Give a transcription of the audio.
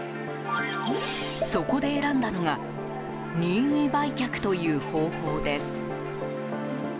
そこで選んだのが任意売却という方法です。